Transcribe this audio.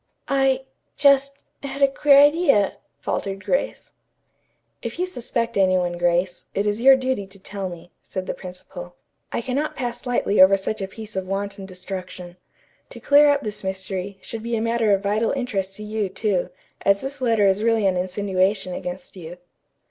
"I just had a queer idea," faltered Grace. "If you suspect any one, Grace, it is your duty to tell me," said the principal. "I cannot pass lightly over such a piece of wanton destruction. To clear up this mystery, should be a matter of vital interest to you, too, as this letter is really an insinuation against you."